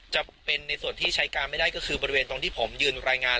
จะเป็นในส่วนที่ใช้การไม่ได้ก็คือบริเวณตรงที่ผมยืนรายงาน